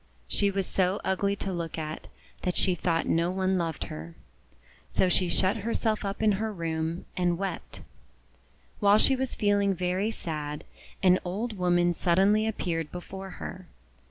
She was so ugly to look at that she thought no one loved her. So she shut her self up in her room, and wept. While she was feeling very sad, an old woman suddenly appeared before her.